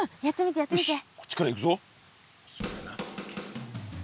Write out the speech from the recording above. よしこっちからいくぞ。